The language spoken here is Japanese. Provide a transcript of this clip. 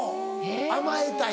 甘えたい。